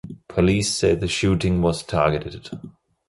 Police say the shooting was targeted.